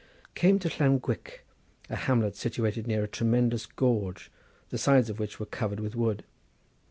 Came to Llanguick, a hamlet situated near a tremendous gorge, the sides of which were covered with wood.